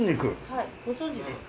はいご存じですか？